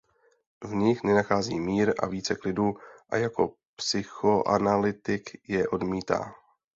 V nich nenachází mír a více klidu a jako psychoanalytik je odmítá.